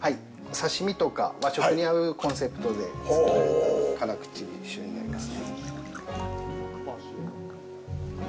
刺身とか和食に合うコンセプトで造られた辛口酒になります。